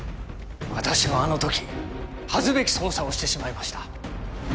私はあの時恥ずべき捜査をしてしまいました。